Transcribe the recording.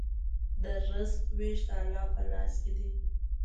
د رزق وېش د الله په لاس کې دی.